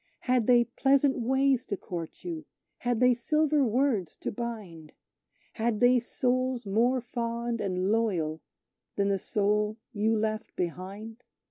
Had they pleasant ways to court you had they silver words to bind? Had they souls more fond and loyal than the soul you left behind?